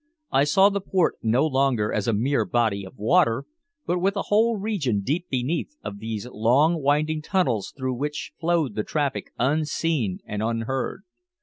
I saw the port no longer as a mere body of water, but with a whole region deep beneath of these long winding tunnels through which flowed the traffic unseen and unheard.